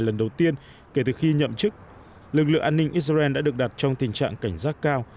lần đầu tiên kể từ khi nhậm chức lực lượng an ninh israel đã được đặt trong tình trạng cảnh giác cao